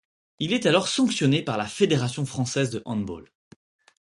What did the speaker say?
Il est alors sanctionné par la Fédération française de handball.